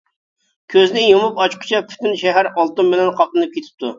كۆزنى يۇمۇپ-ئاچقۇچە پۈتۈن شەھەر ئالتۇن بىلەن قاپلىنىپ كېتىپتۇ.